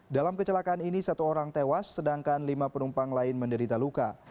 dalam kecelakaan ini satu orang tewas sedangkan lima penumpang lain menderita luka